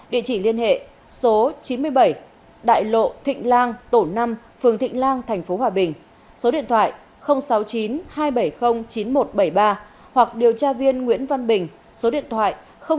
địa chỉ liên hệ số chín mươi bảy đại lộ thịnh lang tổ năm phường thịnh lang tp hòa bình số điện thoại sáu mươi chín hai trăm bảy mươi chín nghìn một trăm bảy mươi ba hoặc điều tra viên nguyễn văn bình số điện thoại chín trăm một mươi sáu bốn nghìn bảy trăm tám mươi năm